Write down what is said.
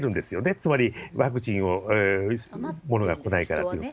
つまり、ワクチンを、物が来ないからっていって。